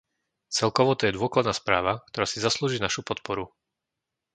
Celkovo to je dôkladná správa, ktorá si zaslúži našu podporu.